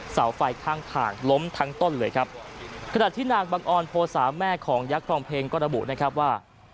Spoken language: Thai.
เสาไฟข้างทางล้มทั้งต้นเลยครับขณะที่นางบังออนโพสาแม่ของยักษ์ครองเพลงก็ระบุนะครับว่า